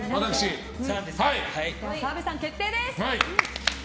では、澤部さん決定です。